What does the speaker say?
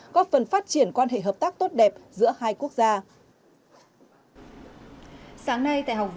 góp phần phát triển quan hệ hợp tác tốt đẹp giữa hai quốc gia